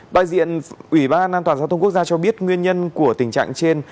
đại diện ủy ban an toàn giao thông quốc gia cho biết nguyên nhân của tình trạng trên